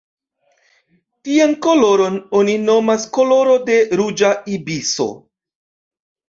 Tian koloron oni nomas koloro de ruĝa ibiso.